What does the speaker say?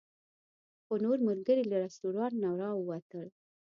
خو نور ملګري له رسټورانټ نه راووتل.